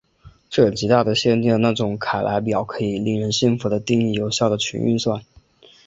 这极大的限定了那种凯莱表可以令人信服的定义有效的群运算。